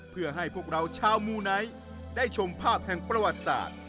เพื่อให้พวกเราชาวมูไนท์ได้ชมภาพแห่งประวัติศาสตร์